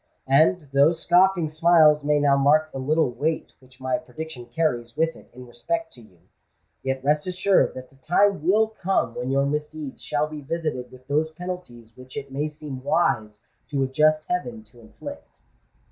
And, though scoffing smiles may now mark the little weight which my prediction carries with it in respect to you, yet rest assured that the time will come when your misdeeds shall be visited with those penalties which it may seem wise to a just heaven to inflict."